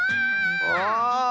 ああ！